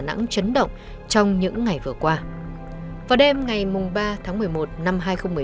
nẵng chấn động trong những ngày vừa qua vào đêm ngày mùng ba tháng một mươi một năm hai nghìn một mươi ba